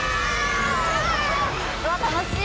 うわっ楽しい。